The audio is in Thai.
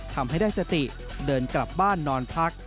ทำให้ได้สติเดินกลับบ้านนอนพัก